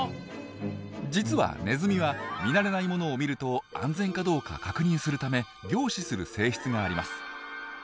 実はネズミは見慣れないものを見ると安全かどうか確認するため凝視する性質があります。